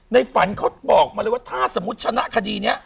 ในฝันเขาบอกมาเลยว่าถ้าสมมุติชนะคดีนี้